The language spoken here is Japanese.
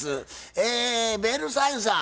えベルサイユさん